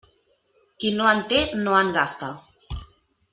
Qui no en té, no en gasta.